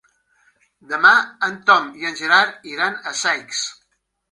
Demà en Tom i en Gerard iran a Saix.